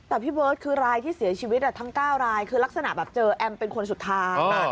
แต่พี่เบิร์ตคือรายที่เสียชีวิตทั้ง๙รายคือลักษณะแบบเจอแอมเป็นคนสุดท้าย